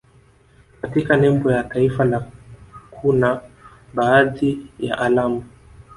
Katika nembo ya taifa la kuna badahi ya alama